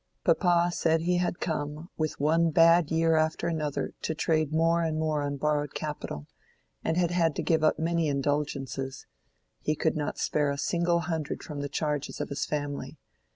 "Papa said he had come, with one bad year after another, to trade more and more on borrowed capital, and had had to give up many indulgences; he could not spare a single hundred from the charges of his family.